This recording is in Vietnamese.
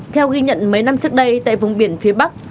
theo ghi nhận mấy năm trước đây tại vùng biển phía bắc